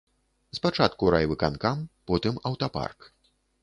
Спачатку райвыканкам, потым аўтапарк.